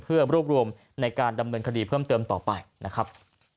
เพื่อรวบรวมในการดำเนินคดีเพิ่มเติมต่อไปนะครับ